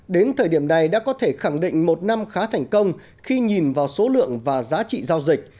đến thời điểm này đã có thể khẳng định một năm khá thành công khi nhìn vào số lượng và giá trị giao dịch